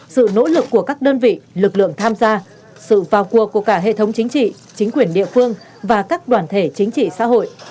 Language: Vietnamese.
sự nỗ lực của các đơn vị lực lượng tham gia sự vào cuộc của cả hệ thống chính trị chính quyền địa phương và các đoàn thể chính trị xã hội